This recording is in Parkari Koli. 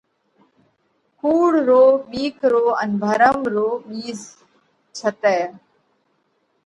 ڪُوڙ رو، ٻِيڪ رو ان ڀرم رو ٻِيز ڇٽئه